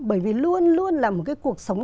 bởi vì luôn luôn là một cái cuộc sống